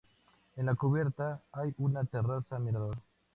En la cubierta hay una terraza mirador.